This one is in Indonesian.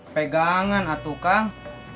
pegangan atu kang